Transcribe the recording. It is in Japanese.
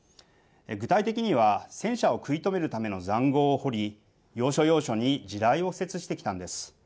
具体的には、戦車を食い止めるためのざんごうを掘り、要所要所に地雷を敷設してきたんです。